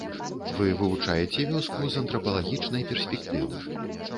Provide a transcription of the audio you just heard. Вы вывучаеце вёску з антрапалагічнай перспектывы.